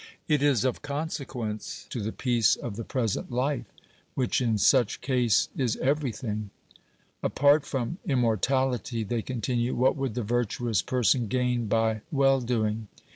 It is of consequence to the peace of the present life, which in such case is everything. Apart from immortality, they continue, what would the virtuous person gain by well doing?